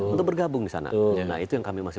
untuk bergabung di sana nah itu yang kami masih